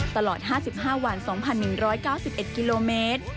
ตลอด๕๕วัน๒๑๙๑กิโลเมตร